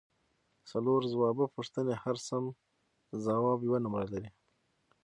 څلور ځوابه پوښتنې هر سم ځواب یوه نمره لري